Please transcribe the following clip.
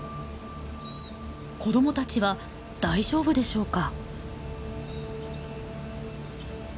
子どもたちは大丈夫でしょうか？